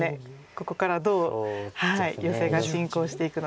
ここからどうヨセが進行していくのか。